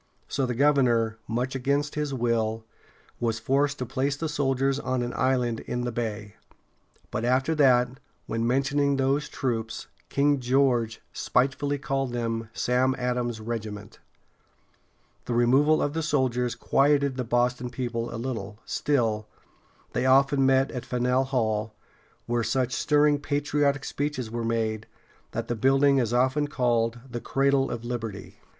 So the governor, much against his will, was forced to place the soldiers on an island in the bay. But after that, when mentioning those troops, King George spitefully called them "Sam Adams's regiments." The removal of the soldiers quieted the Boston people a little; still, they often met in Faneuil (fan´el) Hall, where such stirring patriotic speeches were made that the building is often called the "Cradle of Liberty."